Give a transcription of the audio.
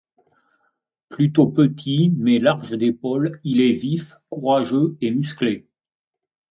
Plutôt petit mais large d'épaules, il est vif, courageux et musclé.